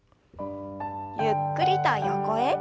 ゆっくりと横へ。